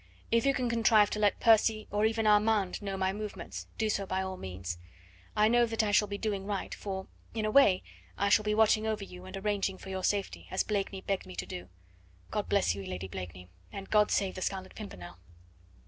If you can contrive to let Percy or even Armand know my movements, do so by all means. I know that I shall be doing right, for, in a way, I shall be watching over you and arranging for your safety, as Blakeney begged me to do. God bless you, Lady Blakeney, and God save the Scarlet Pimpernel!"